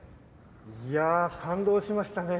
いや感動しましたね。